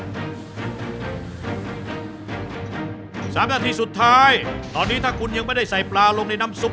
สามนาทีสุดท้ายตอนนี้ถ้าคุณยังไม่ได้ใส่ปลาลงในน้ำซุป